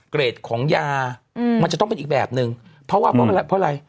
เกรดของยามันจะต้องเป็นอีกแบบหนึ่งเพราะว่าเพราะอะไร